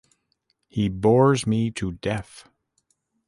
He bores me to death.